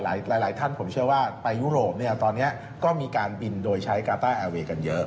หลายท่านผมเชื่อว่าไปยุโรปเนี่ยตอนนี้ก็มีการบินโดยใช้กาต้าอาเวย์กันเยอะ